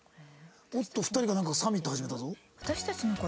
おっと２人がなんかサミット始めたぞ。